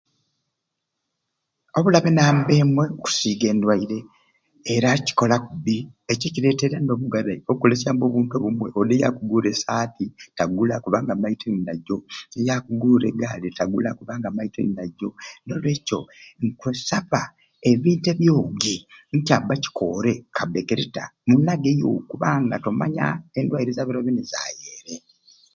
Obulabe namba emwei kusiga endwaire era kikola kubi ekyo kiretere nobugarai okolesyambe obuntu obumwei odi ey'akugure esati tagula kubanga amaite ndinajo eyakuguure egaali tagula kubanga amaite ndinajo, nolwekyo nkusaba ebintu ebyoogi nicaba kikoore kaabe kirita munageeyo kubanga tomanya endwaire z'abiiro bini zayeere.